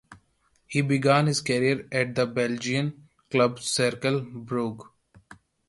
He began his career at the Belgian club Cercle Brugge.